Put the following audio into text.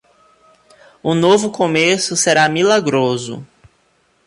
O novo começo será milagroso.